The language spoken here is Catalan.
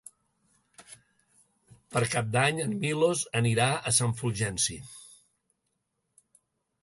Per Cap d'Any en Milos anirà a Sant Fulgenci.